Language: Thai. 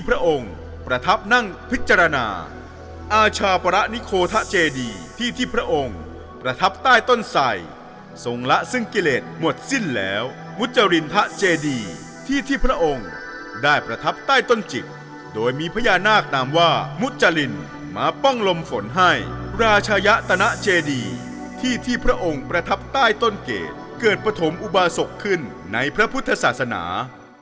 พระองค์ประทับนั่งพิจารณาอาชาปรณิโคทะเจดีที่ที่พระองค์ประทับใต้ต้นไสทรงละซึ่งกิเลสหมดสิ้นแล้วมุจรินพระเจดีที่ที่พระองค์ได้ประทับใต้ต้นจิกโดยมีพญานาคนามว่ามุจรินมาป้องลมฝนให้ราชยะตนเจดีที่ที่พระองค์ประทับใต้ต้นเกดเกิดปฐมอุบาศกขึ้นในพระพุทธศาสนา